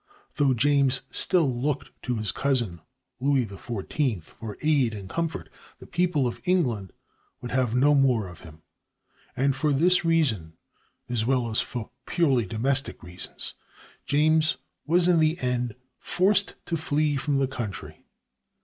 Though James still looked to his cousin, Louis XIV, for aid and comfort, the people of England would have no more of him, and for this reason, as well as for purely domestic reasons, James was in the end forced to flee from the country.